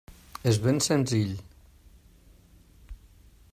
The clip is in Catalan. És ben senzill.